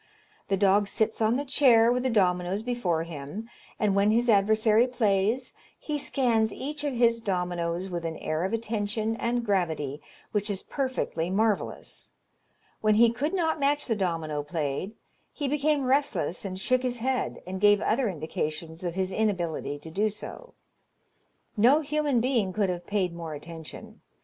The dog sits on the chair with the dominoes before him, and when his adversary plays, he scans each of his dominoes with an air of attention and gravity which is perfectly marvellous. When he could not match the domino played, he became restless and shook his head, and gave other indications of his inability to do so. No human being could have paid more attention.